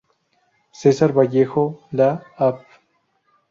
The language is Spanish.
Cesar Vallejo, la Av.